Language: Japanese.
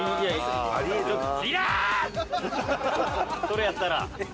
それやったら。